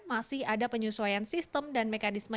masih ada penyesuaian sistem dan mekanisme